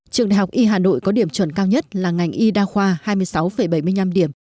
trường đại học y hà nội có điểm chuẩn cao nhất là ngành y đa khoa hai mươi sáu bảy mươi năm điểm